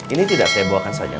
ini tidak saya bawakan saja